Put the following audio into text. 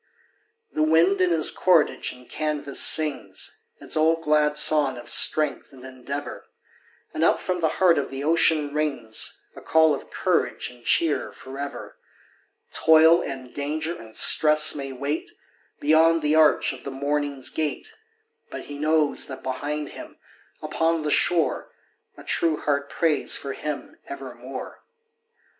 The wind in his cordage and canvas sings Its old glad song of strength and endeavor, And up from the heart of the ocean rings A call of courage and cheer forever; Toil and danger and stress may wait Beyond the arch of the morning's gate, But he knows that behind him, upon the shore, A true heart prays for him evermore.